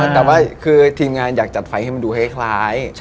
แต่ว่าคือทีมงานอยากจัดไฟให้มันดูคล้าย